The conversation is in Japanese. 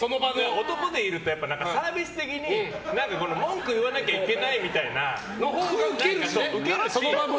男でいると、サービス的に文句言わなきゃいけないみたいなのがウケるし。